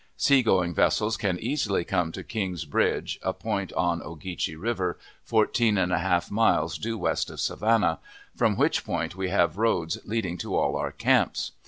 Seagoing vessels can easily come to King's Bridge, a point on Ogeechee River, fourteen and a half miles due west of Savannah, from which point we have roads leading to all our camps.